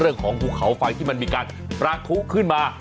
เรื่องของฮูเขาไฟล์ที่มันมีการประโคขึ้นมา